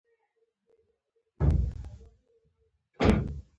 باید په تودو اوبو او د لوښو منځلو په شامپو پرېمنځل شي.